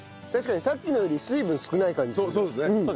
確かにさっきのより水分少ない感じする。